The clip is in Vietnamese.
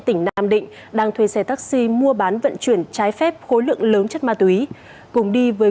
tỉnh nam định đang thuê xe taxi mua bán vận chuyển trái phép khối lượng lớn chất ma túy cùng đi với